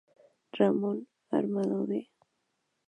Ramón, Armando de.